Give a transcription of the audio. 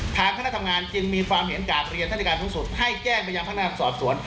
คณะทำงานจึงมีความเห็นกราบเรียนท่านในการสูงสุดให้แจ้งไปยังพนักงานสอบสวน